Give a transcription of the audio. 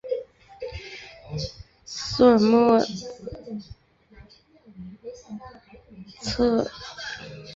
苏尔策莫斯是德国巴伐利亚州的一个市镇。